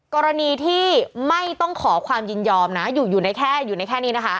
กรณีที่ไม่ต้องขอความยินยอมนะอยู่ในแค่นี้นะคะ